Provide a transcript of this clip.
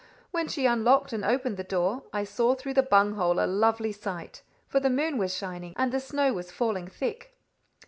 When she unlocked and opened the door, I saw through the bung hole a lovely sight; for the moon was shining, and the snow was falling thick.